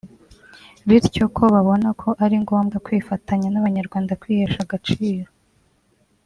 bityo ko babona ko ari ngombwa kwifatanya n’Abanyarwanda kwihesha agaciro